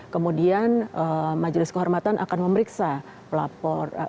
kemudian majelis kehormatan akan memeriksa pelapor